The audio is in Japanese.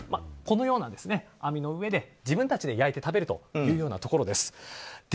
このような網の上で自分たちで焼いて食べるというようなところです。